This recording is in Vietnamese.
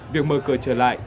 việc mở cửa trở lại